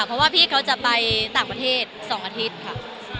เพราะว่าพี่เขาจะไปต่างประเทศ๒อาทิตย์ค่ะ